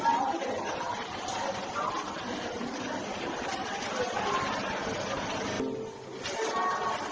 แน้นมงคริสมนิยมมากคุณท่านสุดสุขในการพัฒนาเข้าจากพัฒนาไทย